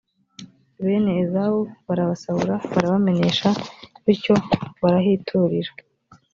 bene ezawu barabasahura, barabamenesha, bityo barahiturira